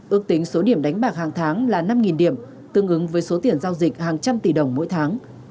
ước tính số điểm đánh bạc hàng tháng là năm điểm tương ứng với số tiền giao dịch hàng trăm tỷ đồng mỗi tháng